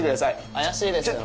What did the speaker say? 怪しいですよね。